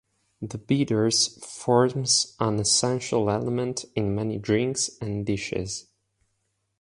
The bitters forms an essential element in many drinks and dishes.